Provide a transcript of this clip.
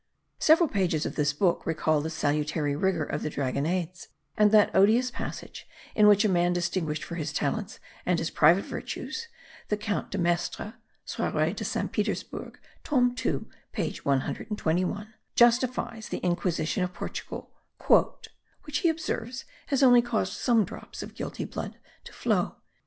Several pages of this book recall the salutary rigour of the Dragonades; and that odious passage, in which a man distinguished for his talents and his private virtues, the Count de Maistre (Soirees de St. Petersbourg tome 2 page 121) justifies the Inquisition of Portugal "which he observes has only caused some drops of guilty blood to flow."